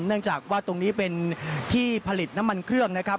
เนื่องจากว่าตรงนี้เป็นที่ผลิตน้ำมันเครื่องนะครับ